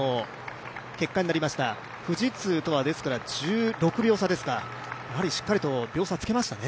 富士通との差が１６秒差、しっかりと秒差をつけましたね。